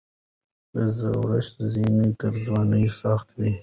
د زړښت زینه تر ځوانۍ سخته ده.